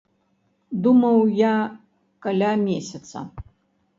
Думаў я каля месяца.